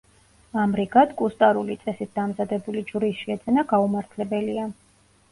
ამრიგად, კუსტარული წესით დამზადებული ჯვრის შეძენა გაუმართლებელია.